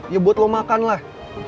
ya buat lo makan lah